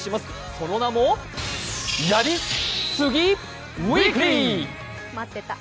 その名も「やり杉！ウィークリー！」。